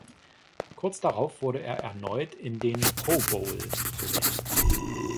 Kurz darauf wurde er erneut in den Pro Bowl gewählt.